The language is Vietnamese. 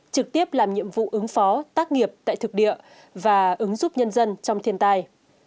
trực tiếp làm nhiệm vụ ứng phó tác nghiệp tại thực địa và ứng giúp nhân dân trong thiên tai